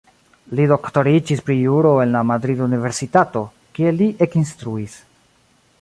Li doktoriĝis pri Juro en la madrida universitato, kie li ekinstruis.